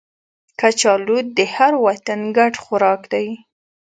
کچالو د هر وطن ګډ خوراک دی